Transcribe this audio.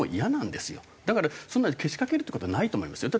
だからそんなけしかけるっていう事はないと思いますよ。